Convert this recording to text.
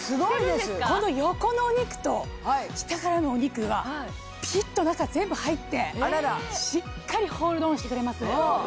この横のお肉と下からのお肉がピシっと中全部入ってしっかりホールドオンしてくれます。